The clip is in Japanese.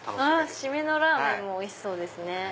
締めのラーメンおいしそうです。